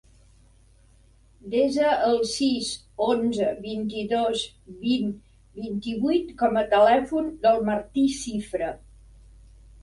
Desa el sis, onze, vint-i-dos, vint, vint-i-vuit com a telèfon del Martí Cifre.